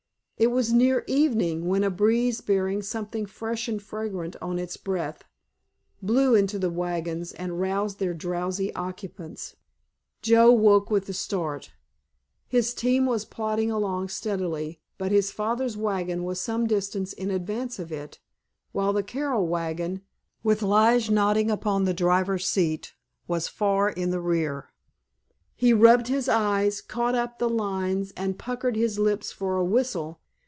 It was near evening when a breeze, bearing something fresh and fragrant on its breath, blew into the wagons and roused their drowsy occupants. Joe woke with a start. His team was plodding along steadily, but his father's wagon was some distance in advance of it, while the Carroll wagon, with Lige nodding upon the driver's seat, was far in the rear. He rubbed his eyes, caught up the lines and puckered his lips for a whistle.